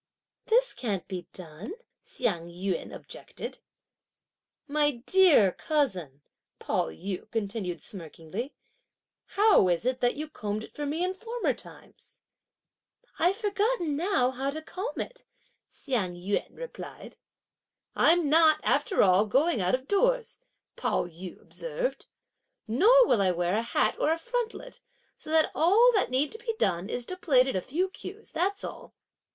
"This can't be done!" Hsiang yün objected. "My dear cousin," Pao yü continued smirkingly, "how is it that you combed it for me in former times?" "I've forgotten now how to comb it!" Hsiang yün replied. "I'm not, after all, going out of doors," Pao yü observed, "nor will I wear a hat or frontlet, so that all that need be done is to plait a few queues, that's all!"